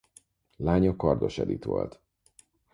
Lánya Kardos Edit volt.